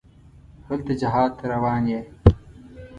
هلته جهاد ته روان یې.